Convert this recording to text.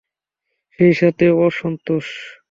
সেই সাথে অসন্তোষ।